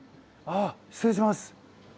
あ失礼します。